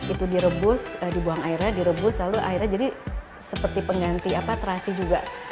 itu direbus dibuang airnya direbus lalu akhirnya jadi seperti pengganti terasi juga